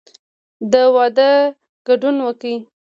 د واده ګډون وکړئ